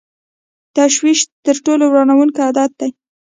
تشویش تر ټولو ورانوونکی عادت دی.